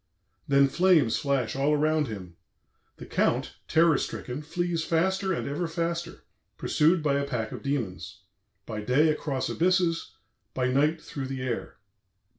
"Then flames flash all around him.... The Count, terror stricken, flees faster and ever faster, pursued by a pack of demons, ... by day across abysses, by night through the air."